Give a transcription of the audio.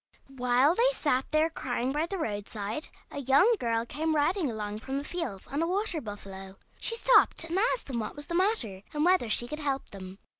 While they sat there crying by the roadside a young girl came riding along from the fields on a water buffalo. She stopped and asked them what was the matter, and whether she could help them.